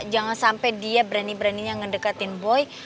jangan sampai dia berani beraninya ngedekatin boy